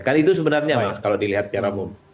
kan itu sebenarnya mas kalau dilihat secara umum